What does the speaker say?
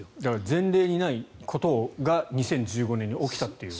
前例にないことが２０１５年に起きたという。